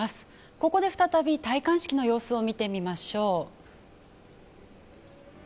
ここで再び戴冠式の様子を見てみましょう。